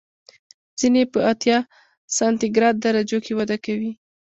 ځینې یې په اتیا سانتي ګراد درجو کې وده کوي.